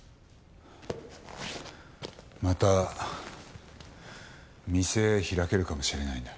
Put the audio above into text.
また店開けるかもしれないんだ。